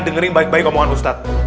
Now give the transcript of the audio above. dengerin baik baik omongan ustadz